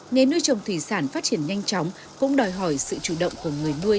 nghề nuôi trồng thủy sản phát triển nhanh chóng cũng đòi hỏi sự chủ động của người nuôi